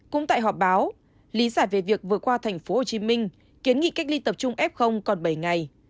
cũng tại họp báo lý giải về việc vừa qua thành phố hồ chí minh kiến nghị cách ly tập trung f còn bảy ngày